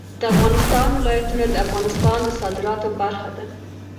د افغانستان ولايتونه د افغانستان د صادراتو برخه ده.